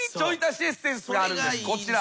こちら。